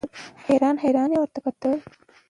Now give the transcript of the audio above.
حیران حیران یې ورته کتل.